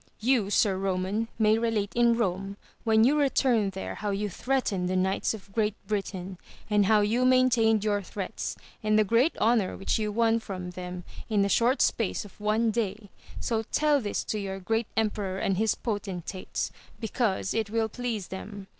You Sir Eoman may relate in Kome when you return there how you threatened the knights of Great Britain, and how you maintained your threats, and the great honour which you won from them in the short space of one day, so tell this to your great emperor and his potentates, because it will please them.